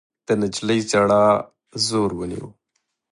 د نجلۍ ژړا زور ونيو.